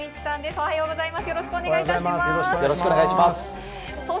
おはようございます。